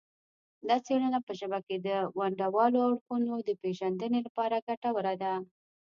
دا څیړنه په ژبه کې د ونډوالو اړخونو د پیژندنې لپاره ګټوره ده